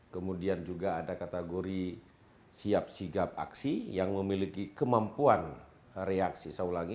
kemudian juga ada kategori siap sigap aksi yang memiliki kemampuan reaksi saulangi